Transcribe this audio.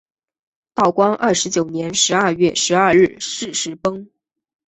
道光二十九年十二月十二日巳时崩。